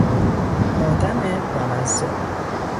آدم بامزه